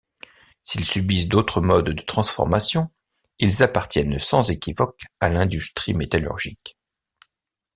S'ils subissent d'autres modes de transformation, ils appartiennent sans équivoque à l'industrie métallurgique.